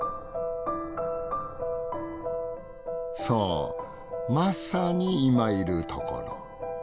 そうまさに今いるところ。